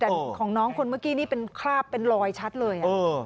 แต่ของน้องคนเมื่อกี้นี่เป็นคราบเป็นรอยชัดเลย